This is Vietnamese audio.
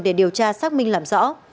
để điều tra xác minh làm rõ